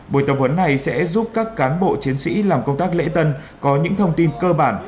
buổi tập huấn này sẽ giúp các cán bộ chiến sĩ làm công tác lễ tân có những thông tin cơ bản